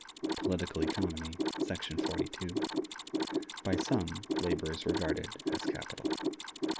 ("Political Economy," section 42.) By some, labor is regarded as capital.